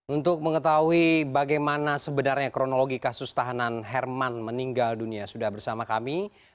untuk mengetahui bagaimana sebenarnya kronologi kasus tahanan herman meninggal dunia sudah bersama kami